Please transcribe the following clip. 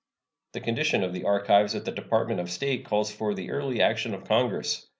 The condition of the archives at the Department of State calls for the early action of Congress.